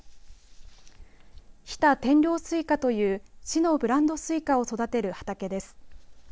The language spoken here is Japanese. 日田天領西瓜という市のブランドすいかを育てる畑です。